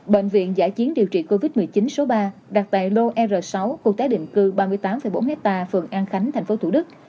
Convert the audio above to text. bệnh viện giải chiến điều trị covid một mươi chín số ba đặt tại lô r sáu khu tái định cư ba mươi tám bốn hectare phường an khánh thành phố thủ đức